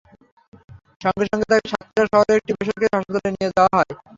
সঙ্গে সঙ্গে তাকে সাতক্ষীরা শহরের একটি বেসরকারি হাসপাতালে নিয়ে যাওয়া হয়।